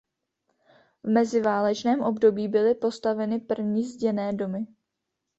V meziválečném období byly postaveny první zděné domy.